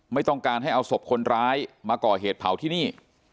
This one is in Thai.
ไม่ต้องการให้เอาศพคนร้ายมาก่อเหตุเผาที่นี่